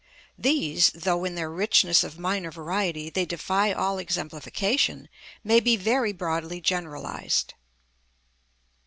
These, though in their richness of minor variety they defy all exemplification, may be very broadly generalized.